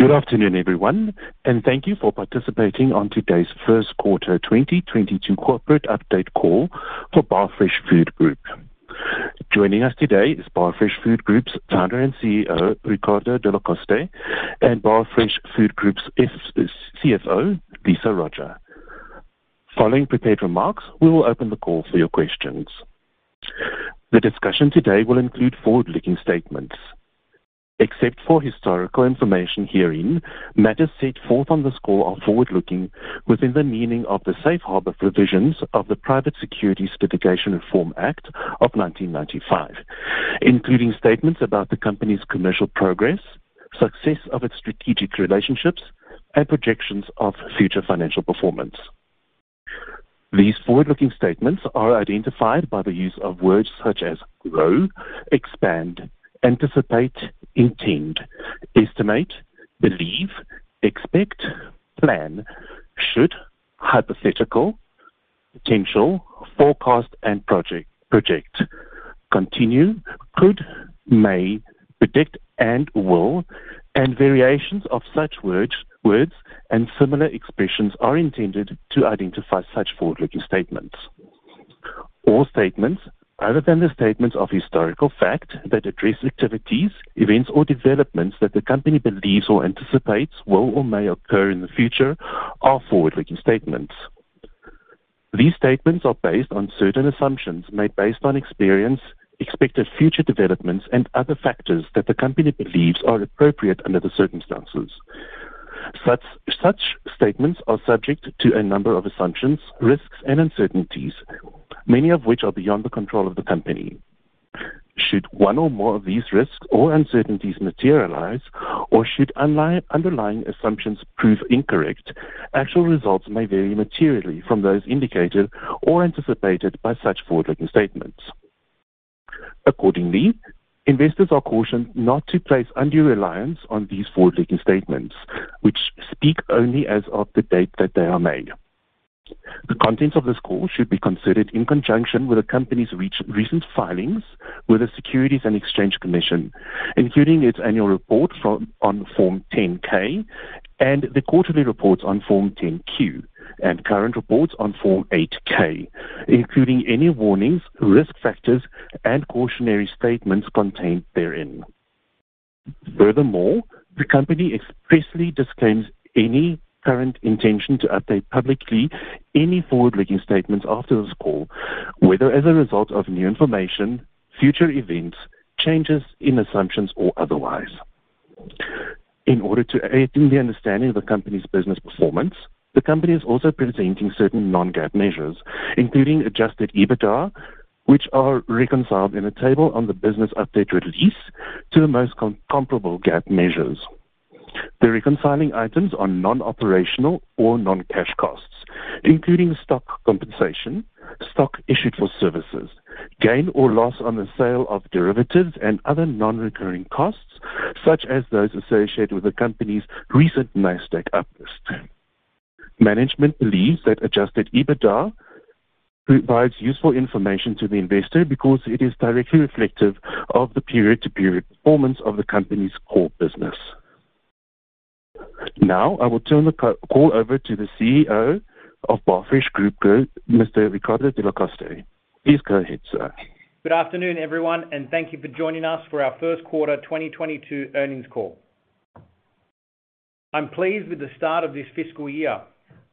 Good afternoon, everyone, and thank you for participating on today's first quarter 2022 corporate update call for Barfresh Food Group. Joining us today is Barfresh Food Group's founder and CEO, Riccardo Delle Coste, and Barfresh Food Group's CFO, Lisa Roger. Following prepared remarks, we will open the call for your questions. The discussion today will include forward-looking statements. Except for historical information herein, matters set forth on this call are forward-looking within the meaning of the Safe Harbor provisions of the Private Securities Litigation Reform Act of 1995, including statements about the company's commercial progress, success of its strategic relationships, and projections of future financial performance. These forward-looking statements are identified by the use of words such as grow, expand, anticipate, intend, estimate, believe, expect, plan, should, hypothetical, potential, forecast, and project, continue, could, may, predict, and will, and variations of such words and similar expressions are intended to identify such forward-looking statements. All statements other than the statements of historical fact that address activities, events, or developments that the company believes or anticipates will or may occur in the future are forward-looking statements. These statements are based on certain assumptions made based on experience, expected future developments, and other factors that the company believes are appropriate under the circumstances. Such statements are subject to a number of assumptions, risks, and uncertainties, many of which are beyond the control of the company. Should one or more of these risks or uncertainties materialize, or should underlying assumptions prove incorrect, actual results may vary materially from those indicated or anticipated by such forward-looking statements. Accordingly, investors are cautioned not to place undue reliance on these forward-looking statements, which speak only as of the date that they are made. The contents of this call should be considered in conjunction with the company's recent filings with the Securities and Exchange Commission, including its annual report on Form 10-K and the quarterly reports on Form 10-Q, and current reports on Form 8-K, including any warnings, risk factors, and cautionary statements contained therein. Furthermore, the company expressly disclaims any current intention to update publicly any forward-looking statements after this call, whether as a result of new information, future events, changes in assumptions, or otherwise. In order to aid in the understanding of the company's business performance, the company is also presenting certain non-GAAP measures, including adjusted EBITDA, which are reconciled in a table on the business update release to the most comparable GAAP measures. The reconciling items are non-operational or non-cash costs, including stock compensation, stock issued for services, gain or loss on the sale of derivatives and other non-recurring costs, such as those associated with the company's recent Nasdaq uplist. Management believes that adjusted EBITDA provides useful information to the investor because it is directly reflective of the period-to-period performance of the company's core business. Now, I will turn the call over to the CEO of Barfresh Food Group, Mr. Riccardo Delle Coste. Please go ahead, sir. Good afternoon, everyone, and thank you for joining us for our first quarter 2022 earnings call. I'm pleased with the start of this fiscal year.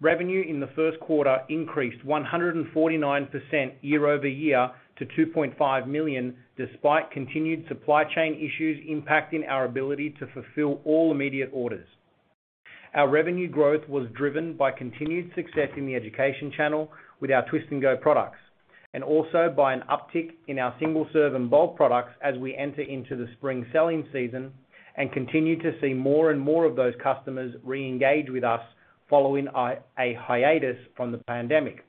Revenue in the first quarter increased 149% year-over-year to $2.5 million, despite continued supply chain issues impacting our ability to fulfill all immediate orders. Our revenue growth was driven by continued success in the education channel with our Twist & Go products, and also by an uptick in our single-serve and bulk products as we enter into the spring selling season and continue to see more and more of those customers re-engage with us following a hiatus from the pandemic.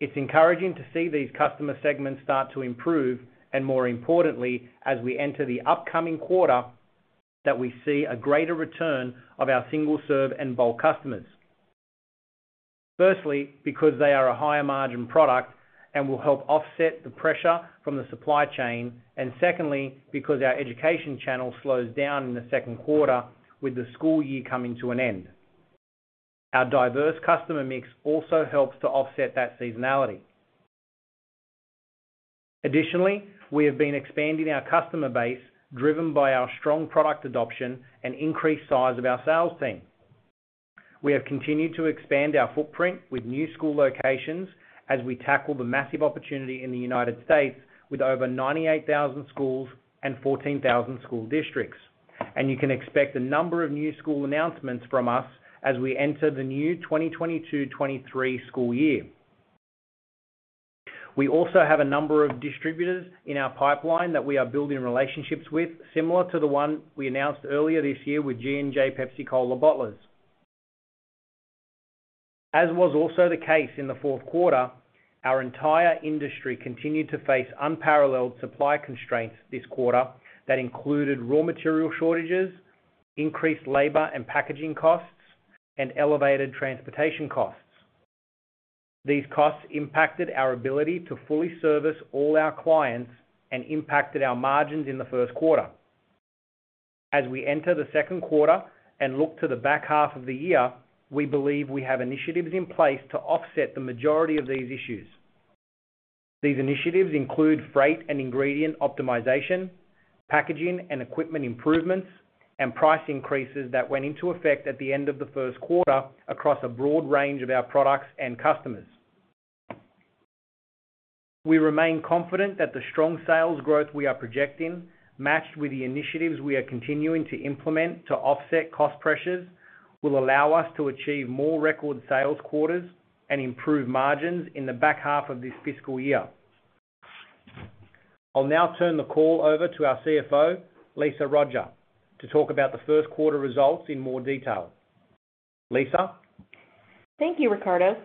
It's encouraging to see these customer segments start to improve, and more importantly, as we enter the upcoming quarter, that we see a greater return of our single-serve and bulk customers. Firstly, because they are a higher margin product and will help offset the pressure from the supply chain. Secondly, because our education channel slows down in the second quarter with the school year coming to an end. Our diverse customer mix also helps to offset that seasonality. Additionally, we have been expanding our customer base driven by our strong product adoption and increased size of our sales team. We have continued to expand our footprint with new school locations as we tackle the massive opportunity in the United States with over 98,000 schools and 14,000 school districts. You can expect a number of new school announcements from us as we enter the new 2022-2023 school year. We also have a number of distributors in our pipeline that we are building relationships with, similar to the one we announced earlier this year with G&J Pepsi-Cola Bottlers. As was also the case in the fourth quarter, our entire industry continued to face unparalleled supply constraints this quarter that included raw material shortages, increased labor and packaging costs, and elevated transportation costs. These costs impacted our ability to fully service all our clients and impacted our margins in the first quarter. As we enter the second quarter and look to the back half of the year, we believe we have initiatives in place to offset the majority of these issues. These initiatives include freight and ingredient optimization, packaging and equipment improvements, and price increases that went into effect at the end of the first quarter across a broad range of our products and customers. We remain confident that the strong sales growth we are projecting, matched with the initiatives we are continuing to implement to offset cost pressures, will allow us to achieve more record sales quarters and improve margins in the back half of this fiscal year. I'll now turn the call over to our CFO, Lisa Roger, to talk about the first quarter results in more detail. Lisa. Thank you, Riccardo.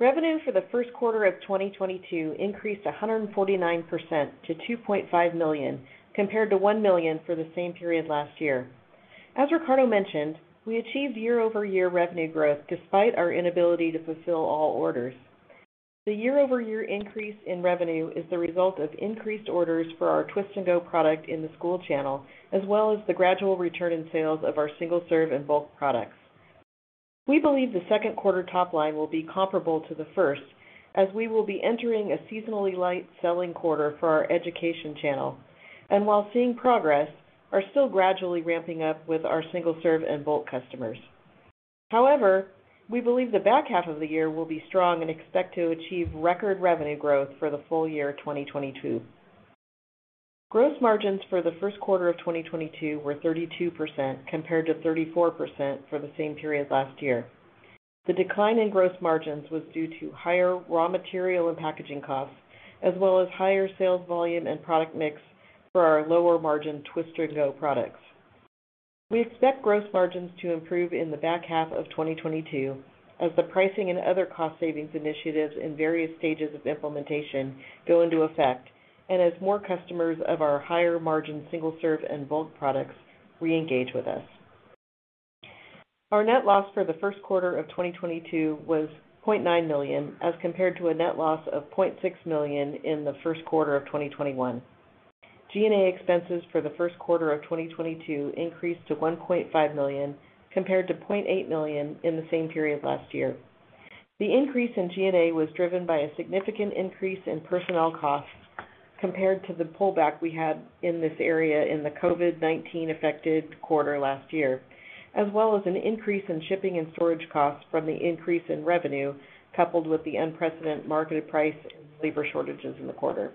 Revenue for the first quarter of 2022 increased 149% to $2.5 million compared to $1 million for the same period last year. As Riccardo mentioned, we achieved year-over-year revenue growth despite our inability to fulfill all orders. The year-over-year increase in revenue is the result of increased orders for our Twist & Go product in the school channel, as well as the gradual return in sales of our single-serve and bulk products. We believe the second quarter top line will be comparable to the first as we will be entering a seasonally light selling quarter for our education channel. While seeing progress, we are still gradually ramping up with our single-serve and bulk customers. However, we believe the back half of the year will be strong and expect to achieve record revenue growth for the full year 2022. Gross margins for the first quarter of 2022 were 32% compared to 34% for the same period last year. The decline in gross margins was due to higher raw material and packaging costs, as well as higher sales volume and product mix for our lower margin Twist & Go products. We expect gross margins to improve in the back half of 2022 as the pricing and other cost savings initiatives in various stages of implementation go into effect, and as more customers of our higher margin single-serve and bulk products reengage with us. Our net loss for the first quarter of 2022 was $0.9 million as compared to a net loss of $0.6 million in the first quarter of 2021. G&A expenses for the first quarter of 2022 increased to $1.5 million compared to $0.8 million in the same period last year. The increase in G&A was driven by a significant increase in personnel costs compared to the pullback we had in this area in the COVID-19 affected quarter last year, as well as an increase in shipping and storage costs from the increase in revenue, coupled with the unprecedented market price and labor shortages in the quarter.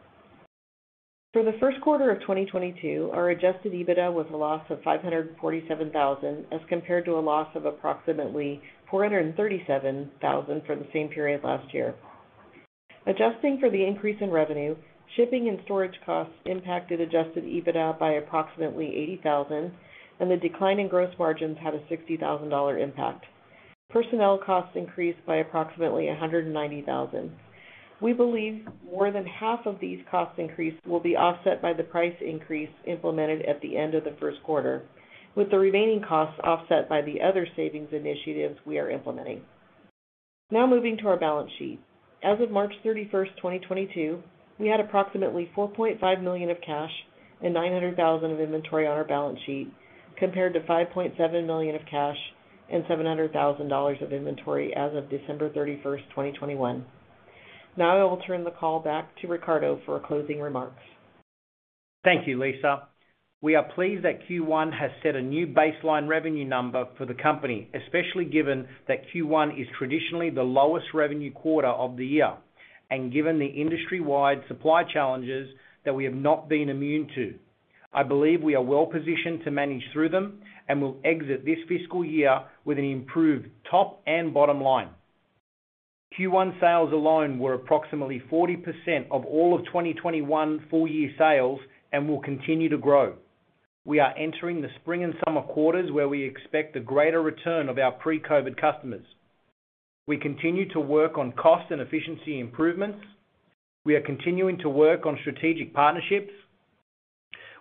For the first quarter of 2022, our adjusted EBITDA was a loss of $547,000 as compared to a loss of approximately $437,000 for the same period last year. Adjusting for the increase in revenue, shipping and storage costs impacted adjusted EBITDA by approximately $80,000, and the decline in gross margins had a $60,000 impact. Personnel costs increased by approximately $190,000. We believe more than half of these cost increases will be offset by the price increase implemented at the end of the first quarter, with the remaining costs offset by the other savings initiatives we are implementing. Now moving to our balance sheet. As of March 31, 2022, we had approximately $4.5 million of cash and $900,000 of inventory on our balance sheet compared to $5.7 million of cash and $700,000 of inventory as of December 31, 2021. Now I will turn the call back to Riccardo for closing remarks. Thank you, Lisa. We are pleased that Q1 has set a new baseline revenue number for the company, especially given that Q1 is traditionally the lowest revenue quarter of the year. Given the industry-wide supply challenges that we have not been immune to, I believe we are well positioned to manage through them and will exit this fiscal year with an improved top and bottom line. Q1 sales alone were approximately 40% of all of 2021 full year sales and will continue to grow. We are entering the spring and summer quarters where we expect a greater return of our pre-COVID customers. We continue to work on cost and efficiency improvements. We are continuing to work on strategic partnerships.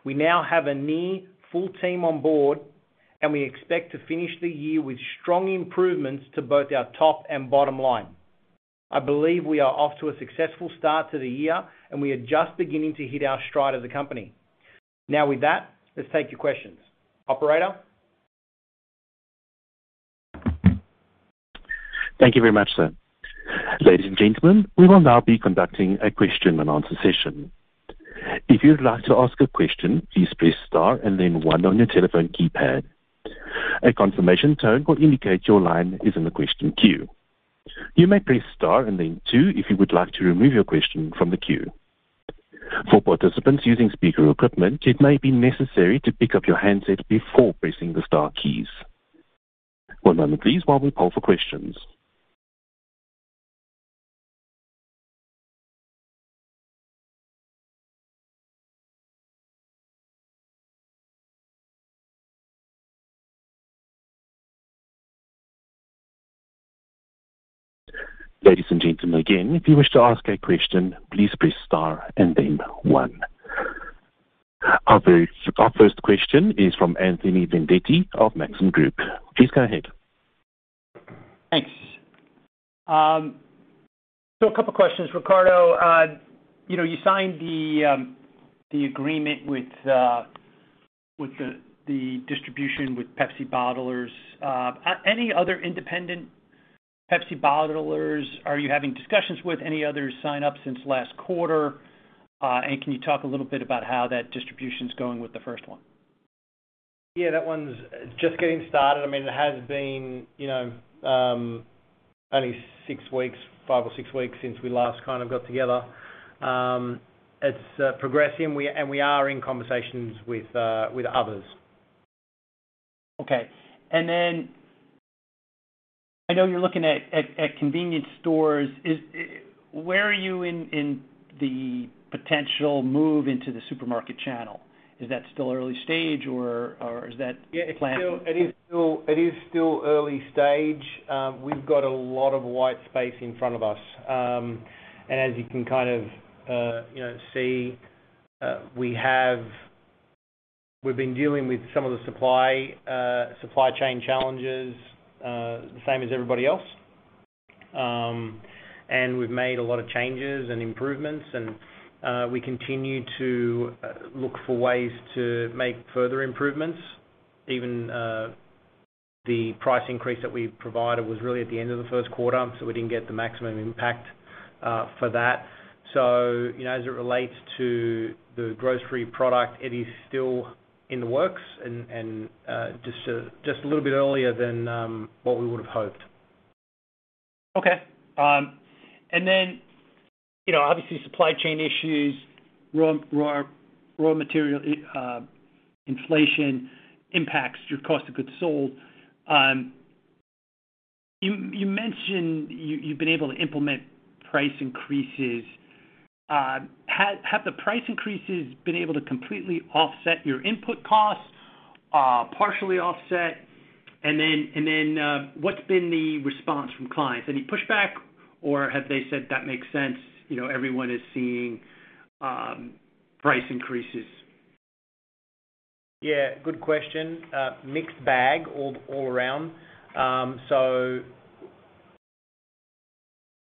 We now have a near full team on board, and we expect to finish the year with strong improvements to both our top and bottom line. I believe we are off to a successful start to the year, and we are just beginning to hit our stride as a company. Now with that, let's take your questions. Operator. Thank you very much, sir. Ladies and gentlemen, we will now be conducting a question and answer session. If you'd like to ask a question, please press star and then one on your telephone keypad. A confirmation tone will indicate your line is in the question queue. You may press star and then two if you would like to remove your question from the queue. For participants using speaker equipment, it may be necessary to pick up your handset before pressing the star keys. One moment please while we poll for questions. Ladies and gentlemen, again, if you wish to ask a question, please press star and then one. Our first question is from Anthony Vendetti of Maxim Group. Please go ahead. Thanks. So a couple of questions, Riccardo. You know, you signed the agreement with the distribution with Pepsi bottlers. Any other independent Pepsi bottlers are you having discussions with? Any others sign up since last quarter? Can you talk a little bit about how that distribution's going with the first one? Yeah, that one's just getting started. I mean, it has been, you know, only 6 weeks, 5 or 6 weeks since we last kind of got together. It's progressing. We are in conversations with others. Okay. I know you're looking at convenience stores. Where are you in the potential move into the supermarket channel? Is that still early stage or is that planned? Yeah. It is still early stage. We've got a lot of white space in front of us. As you can kind of, you know, see, we've been dealing with some of the supply chain challenges, the same as everybody else. We've made a lot of changes and improvements, and we continue to look for ways to make further improvements. Even the price increase that we provided was really at the end of the first quarter, so we didn't get the maximum impact for that. You know, as it relates to the grocery product, it is still in the works and just a little bit earlier than what we would have hoped. Okay. You know, obviously, supply chain issues, raw material inflation impacts your cost of goods sold. You mentioned you've been able to implement price increases. Have the price increases been able to completely offset your input costs, partially offset? What's been the response from clients? Any pushback, or have they said that makes sense, you know, everyone is seeing price increases? Yeah, good question. Mixed bag all around.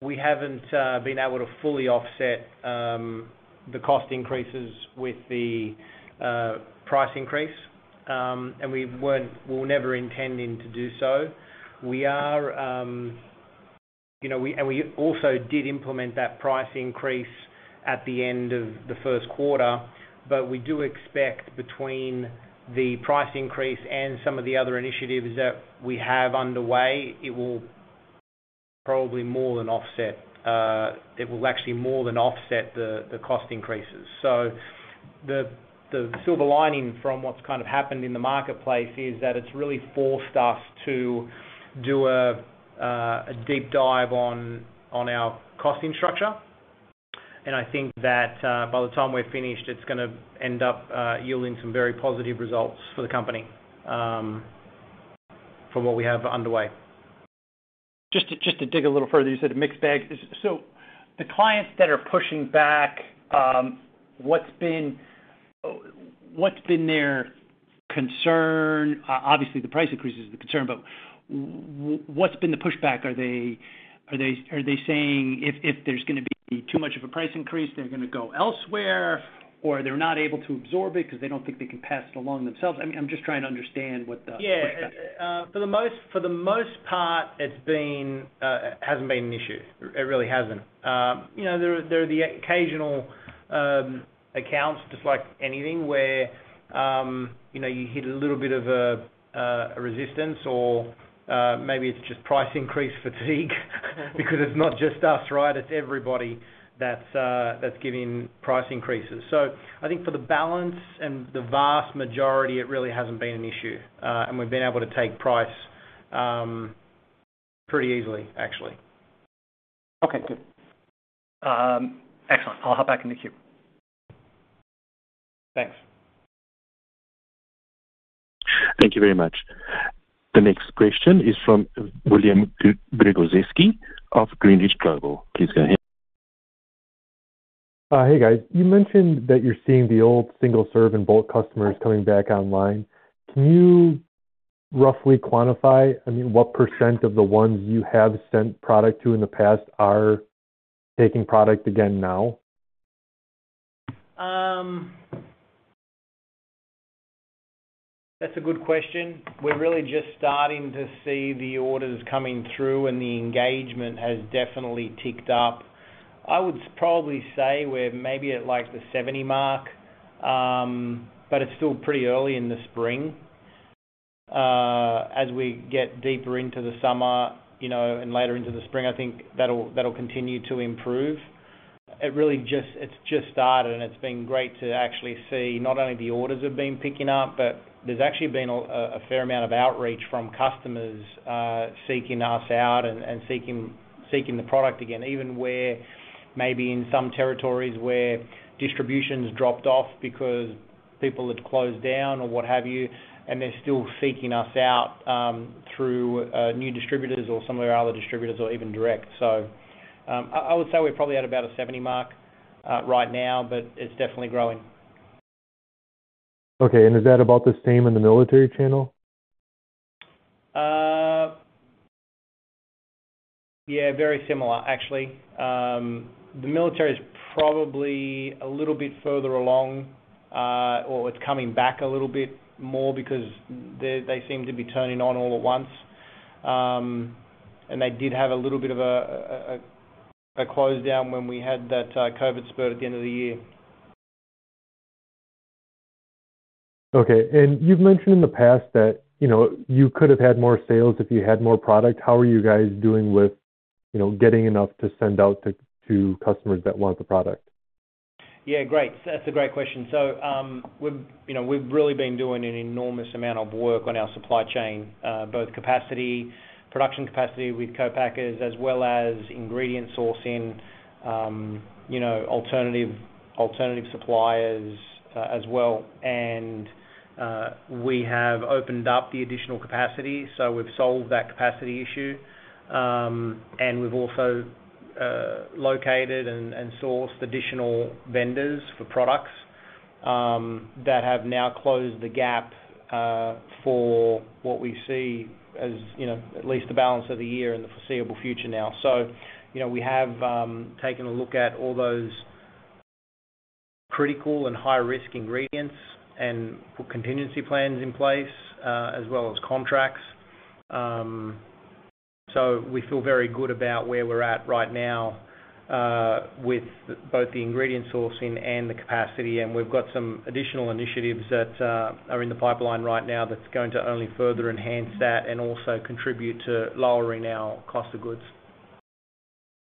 We haven't been able to fully offset the cost increases with the price increase. We were never intending to do so. We are, you know, and we also did implement that price increase at the end of the first quarter, but we do expect between the price increase and some of the other initiatives that we have underway, it will probably more than offset. It will actually more than offset the cost increases. The silver lining from what's kind of happened in the marketplace is that it's really forced us to do a deep dive on our costing structure. I think that, by the time we're finished, it's gonna end up yielding some very positive results for the company, from what we have underway. Just to dig a little further, you said a mixed bag. The clients that are pushing back, what's been their concern? Obviously, the price increase is the concern, but what's been the pushback? Are they saying if there's gonna be too much of a price increase, they're gonna go elsewhere, or they're not able to absorb it because they don't think they can pass it along themselves? I mean, I'm just trying to understand what the. Yeah. For the most part, it's been, hasn't been an issue. It really hasn't. You know, there are the occasional accounts, just like anything, where you know, you hit a little bit of a resistance or maybe it's just price increase fatigue because it's not just us, right? It's everybody that's giving price increases. I think for the balance and the vast majority, it really hasn't been an issue, and we've been able to take price pretty easily, actually. Okay, good. Excellent. I'll hop back in the queue. Thanks. Thank you very much. The next question is from William Gregozeski of Greenridge Global. Please go ahead. Hey, guys. You mentioned that you're seeing the old single-serve and bulk customers coming back online. Can you roughly quantify, I mean, what % of the ones you have sent product to in the past are taking product again now? That's a good question. We're really just starting to see the orders coming through, and the engagement has definitely ticked up. I would probably say we're maybe at, like, the 70 mark. But it's still pretty early in the spring. As we get deeper into the summer, you know, and later into the spring, I think that'll continue to improve. It's just started, and it's been great to actually see not only the orders have been picking up, but there's actually been a fair amount of outreach from customers seeking us out and seeking the product again, even where maybe in some territories where distribution's dropped off because people had closed down or what have you, and they're still seeking us out through new distributors or some of our other distributors or even direct. I would say we're probably at about a 70 mark right now, but it's definitely growing. Okay. Is that about the same in the military channel? Yeah, very similar actually. The military is probably a little bit further along, or it's coming back a little bit more because they seem to be turning on all at once. They did have a little bit of a close down when we had that COVID spurt at the end of the year. Okay. You've mentioned in the past that, you know, you could have had more sales if you had more product. How are you guys doing with, you know, getting enough to send out to customers that want the product? Yeah, great. That's a great question. We've, you know, we've really been doing an enormous amount of work on our supply chain, both capacity, production capacity with co-packers as well as ingredient sourcing, you know, alternative suppliers, as well. We have opened up the additional capacity, so we've solved that capacity issue. We've also located and sourced additional vendors for products that have now closed the gap for what we see as, you know, at least the balance of the year in the foreseeable future now. We have taken a look at all those critical and high risk ingredients and put contingency plans in place, as well as contracts. We feel very good about where we're at right now with both the ingredient sourcing and the capacity. We've got some additional initiatives that are in the pipeline right now that's going to only further enhance that and also contribute to lowering our cost of goods.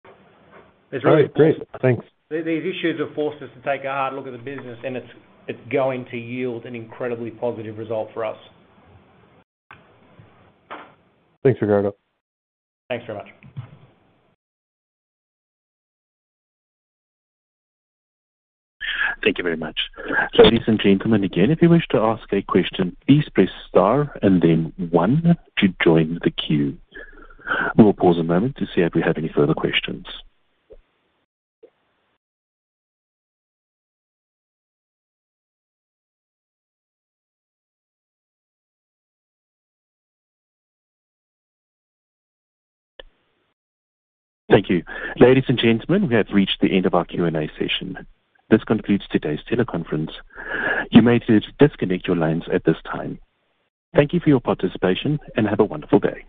All right. Great. Thanks. These issues have forced us to take a hard look at the business, and it's going to yield an incredibly positive result for us. Thanks, Riccardo. Thanks very much. Thank you very much. Ladies and gentlemen, again, if you wish to ask a question, please press star and then one to join the queue. We will pause a moment to see if we have any further questions. Thank you. Ladies and gentlemen, we have reached the end of our Q&A session. This concludes today's teleconference. You may disconnect your lines at this time. Thank you for your participation, and have a wonderful day.